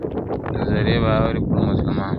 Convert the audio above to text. دُرې به اوري پر مظلومانو ..